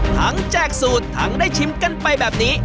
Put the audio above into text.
แจกสูตรทั้งได้ชิมกันไปแบบนี้